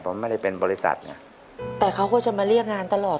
ผมไม่ได้เป็นบริษัทไงแต่เขาก็จะมาเรียกงานตลอด